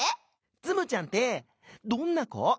「ツムちゃんってどんなこ？」。